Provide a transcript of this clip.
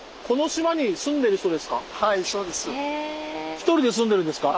１人で住んでるんですか？